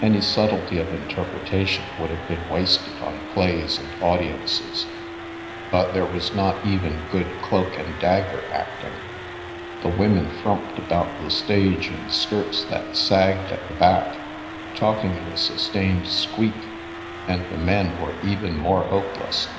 Any subtlety of interpretation would have been wasted on plays and audiences, but there was not even good The Milky Way cloak and dagger acting. The women frumped about the stage in skirts that sagged at the back, talking in a sustained squeak, and the men were even more hopeless.